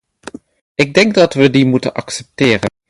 Ik denk dat we die moeten accepteren.